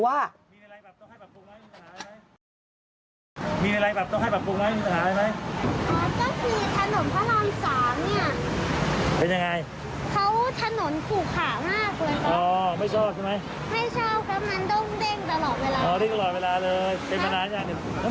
เรียนได้ว่าปัญหาที่เด็กยังรู้ครับชัชชาติสิทธิพันธ์